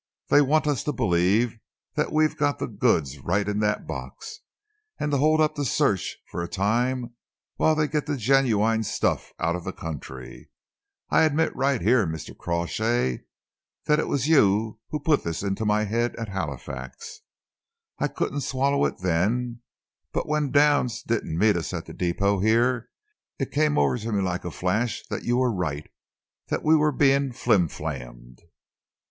They want us to believe that we've got the goods right in that box, and to hold up the search for a time while they get the genuine stuff out of the country. I admit right here, Mr. Crawshay, that it was you who put this into my head at Halifax. I couldn't swallow it then, but when Downs didn't meet us at the depot here, it came over me like a flash that you were right that we were being flimflammed."